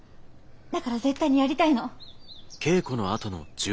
だから絶対にやりたいの。